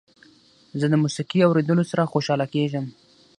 زه د موسيقۍ اوریدلو سره خوشحاله کیږم.